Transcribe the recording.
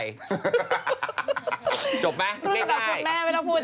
พูดแบบคุณแม่ไม่ต้องพูด